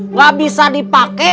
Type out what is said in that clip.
tidak bisa dipakai